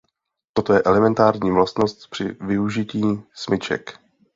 Toto je elementární vlastnost při využití smyček.